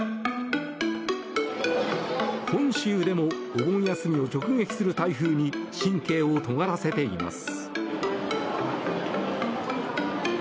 本州でもお盆休みを直撃する台風に神経をとがらせています。